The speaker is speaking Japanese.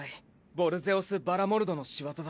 ヴォルゼオス・バラモルドのしわざだ。